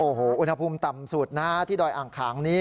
โอ้โหอุณหภูมิต่ำสุดนะฮะที่ดอยอ่างขางนี้